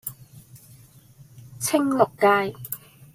青綠街